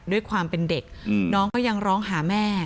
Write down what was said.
ด้วยความเป็นเด็กน้องก็ยังร้องหาแม่